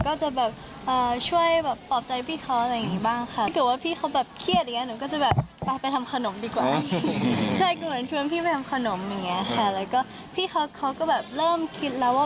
ก็จริงหนูก็จะช่วยปลอบใจพี่เขาอะไรอย่างนี้บ้างค่ะ